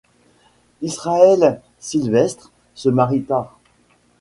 Israël Silvestre se marie tard.